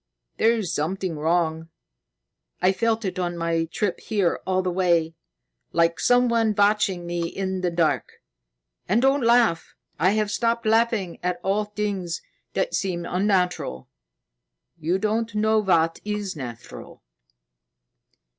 There's something wrong. I felt it on my trip here all the way, like someone watching me in the dark. And don't laugh! I have stopped laughing at all things that seem unnatural. You don't know what is natural."